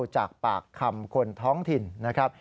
จากปากคำคนท้องถิ่นนะครับ